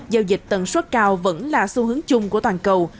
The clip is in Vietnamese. giao dịch tầng suất cao vẫn là xu hướng chung của toàn cầu